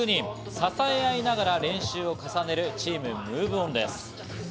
支えあいながら練習を重ねるチームＭｏｖｅＯｎです。